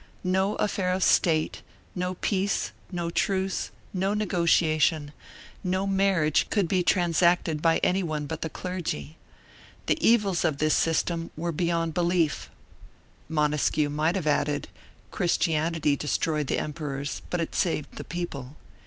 ... No affair of state, no peace, no truce, no negotiation, no marriage could be transacted by any one but the clergy. The evils of this system were beyond belief." Montesquieu might have added: Christianity destroyed the emperors but it saved the people.